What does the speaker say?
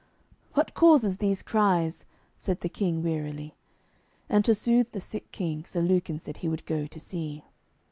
'What causes these cries?' said the King wearily. And to soothe the sick King, Sir Lucan said he would go to see.